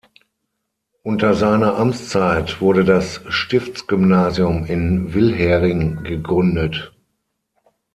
Unter seiner Amtszeit wurde das Stiftsgymnasium in Wilhering gegründet.